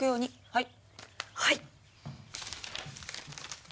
はい！